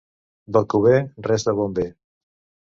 D'Alcover res de bo en ve.